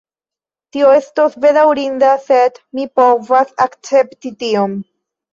Tio estas bedaŭrinda, sed mi povas akcepti tion.